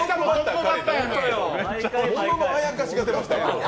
もののあやかしが出ましたよ。